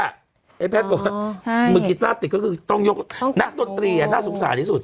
เกรียร์เฟ้อยมือกีธาติก็คือต้องยกไลก์ตัว